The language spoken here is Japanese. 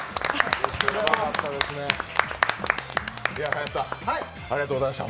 ハヤシさん、ありがとうございました。